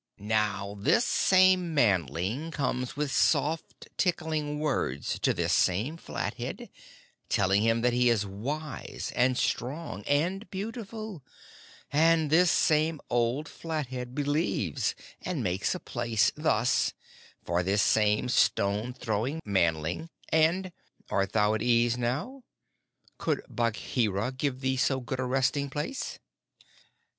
"Now this same Manling comes with soft, tickling words to this same Flathead, telling him that he is wise and strong and beautiful, and this same old Flathead believes and makes a place, thus, for this same stone throwing Manling, and . Art thou at ease now? Could Bagheera give thee so good a resting place?"